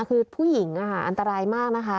คือผู้หญิงอันตรายมากนะคะ